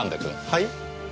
はい？